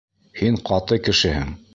Һин ҡаты кешеһең.